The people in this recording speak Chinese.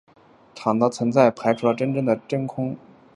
场的存在排除了真正的真空。